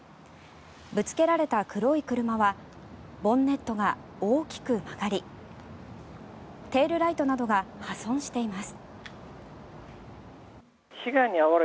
ぶつけられた黒い車はボンネットが大きく曲がりテールライトなどが破損しています。